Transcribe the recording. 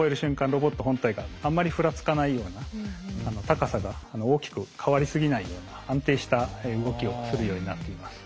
ロボット本体があんまりふらつかないような高さが大きく変わりすぎないような安定した動きをするようになっています。